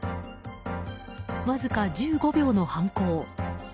わずか１５秒の犯行。